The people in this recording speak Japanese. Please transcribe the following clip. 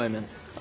あ。